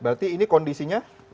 berarti ini kondisinya